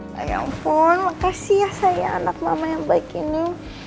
sayangpun makasih ya sayang anak mama yang baik ini